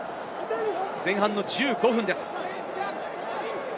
前半１５分です。